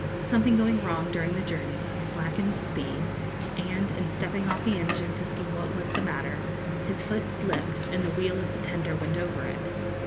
Something going wrong during the journey, he slackened speed, and, in stepping off the engine to see what was the matter, his foot slipped, and the wheel of the tender went over it.